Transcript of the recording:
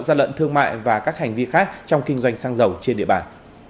gian lận thương mại và các hành vi khác trong kinh doanh xăng dầu trên địa bàn